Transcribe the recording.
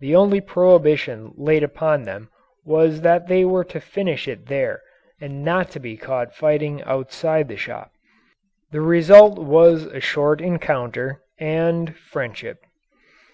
The only prohibition laid upon them was that they were to finish it there, and not to be caught fighting outside the shop. The result was a short encounter and friendship.